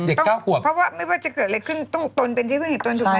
เด็ก๙ขวบเพราะว่าไม่ว่าจะเกิดอะไรขึ้นต้องต้นเป็นที่เพื่อนเห็นต้นถูกไหม